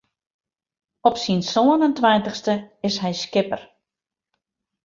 Op syn sân en tweintichste is hy skipper.